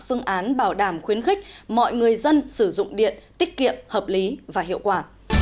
phương án bảo đảm khuyến khích mọi người dân sử dụng điện tiết kiệm hợp lý và hiệu quả